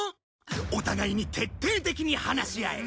お互いに徹底的に話し合え。